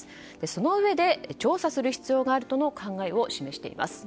そのうえで調査する必要があるとの考えを示しています。